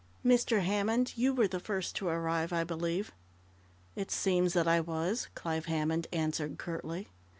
Mr. Hammond, you were the first to arrive, I believe?" "It seems that I was!" Clive Hammond answered curtly.